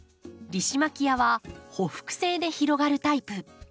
リシマキアはほふく性で広がるタイプ。